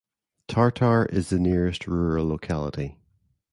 Tartar is the nearest rural locality.